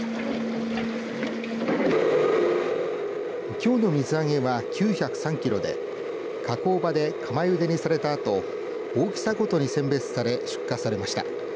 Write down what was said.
きょうの水揚げは９０３キロで加工場で釜ゆでにされたあと大きさごとに選別され出荷されました。